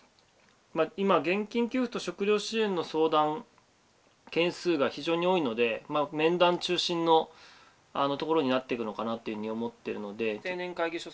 今現金給付と食糧支援の相談件数が非常に多いので面談中心のところになっていくのかなというふうに思ってるので。